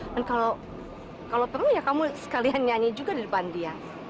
dan kalau kalau perlu ya kamu sekalian nyanyi juga di depan dia